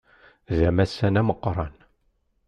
D amassan ameqqran.